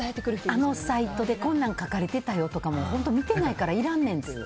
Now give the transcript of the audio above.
あのサイトでこんなん書かれてたよとか見てないからいらんねんっていう。